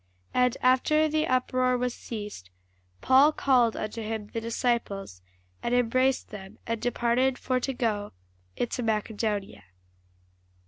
And after the uproar was ceased, Paul called unto him the disciples, and embraced them, and departed for to go into Macedonia.